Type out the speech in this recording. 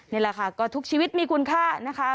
นี่แหละค่ะก็ทุกชีวิตมีคุณค่านะคะ